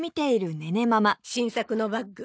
新作のバッグ。